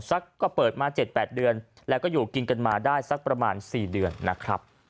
ก็เปิดมา๗๘เดือนแล้วก็อยู่กินกันมาได้สักประมาณ๔เดือนนะครับ